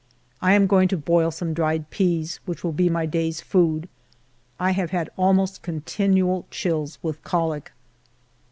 I am going to boil some dried peas, which will be my day's food. I have had almost continual chills with colic.